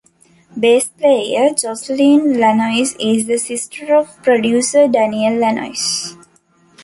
Bass player Jocelyne Lanois is the sister of producer Daniel Lanois.